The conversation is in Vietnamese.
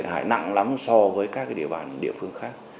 hại nặng lắm so với các địa bàn địa phương khác